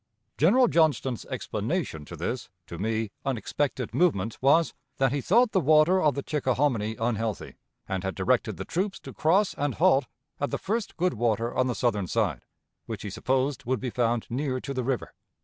General Johnston's explanation to this (to me) unexpected movement was, that he thought the water of the Chickahominy unhealthy, and had directed the troops to cross and halt at the first good water on the southern side, which he supposed would be found near to the river.